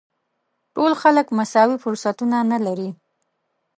ټول خلک مساوي فرصتونه نه لري.